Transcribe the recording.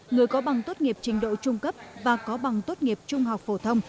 người có bằng tốt nghiệp trình độ trung cấp và có bằng tốt nghiệp trung học phổ thông